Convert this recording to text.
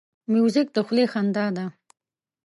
موزیک د خولې خندا ده.